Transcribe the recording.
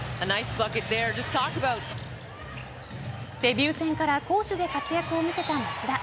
デビュー戦から攻守で活躍を見せた町田。